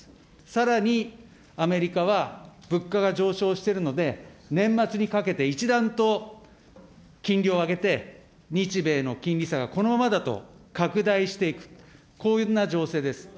さらに、アメリカは物価が上昇しているので、年末にかけて一段と金利を上げて、日米の金利差がこのままだと拡大していく、こんな情勢です。